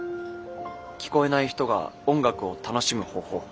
聞こえない人が音楽を楽しむ方法。